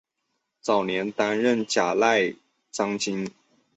早年担任甲喇章京。